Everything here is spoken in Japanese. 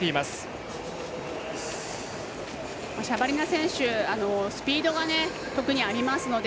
シャバリナ選手スピードが特にありますので。